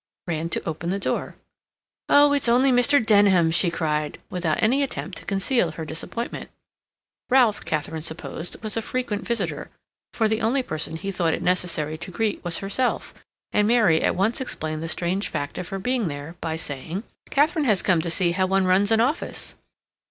ran to open the door. "Oh, it's only Mr. Denham!" she cried, without any attempt to conceal her disappointment. Ralph, Katharine supposed, was a frequent visitor, for the only person he thought it necessary to greet was herself, and Mary at once explained the strange fact of her being there by saying: "Katharine has come to see how one runs an office."